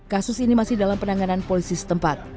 kasus ini masih dalam penanganan polisi setempat